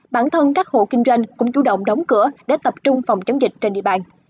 bản thân các hộ kinh doanh cũng chủ động đóng cửa để tập trung phòng chống dịch trên địa bàn